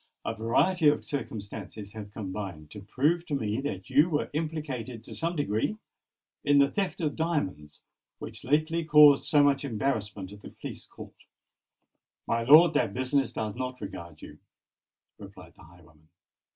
A variety of circumstances have combined to prove to me that you were implicated, to some degree, in the theft of diamonds which lately caused so much embarrassment at the police court." "My lord, that business does not regard you," replied the highwayman.